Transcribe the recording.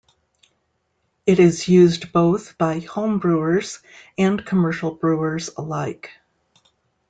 It is used both by homebrewers and commercial brewers alike.